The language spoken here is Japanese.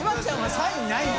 サインないよ。